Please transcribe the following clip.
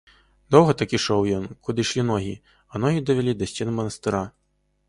Доўга так ішоў ён, куды ішлі ногі, а ногі давялі да сцен манастыра.